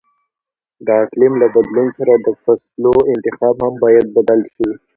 د اقلیم له بدلون سره د فصلو انتخاب هم باید بدل شي.